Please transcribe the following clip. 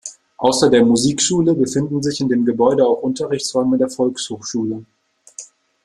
Außer der Musikschule befinden sich in dem Gebäude auch Unterrichtsräume der Volkshochschule.